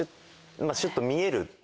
シュっと見える。